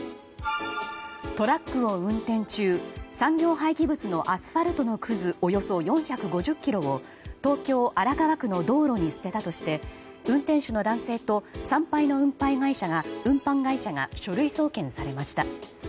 トラックを運転中産業廃棄物のアスファルトのくずおよそ４５０ｋｇを東京・荒川区の道路に捨てたとして運転手の男性と産廃の運搬会社が書類送検されました。